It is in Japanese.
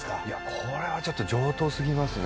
これはちょっと上等すぎますね。